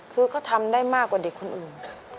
คือเขาทำได้มากกว่าเด็กคนอื่น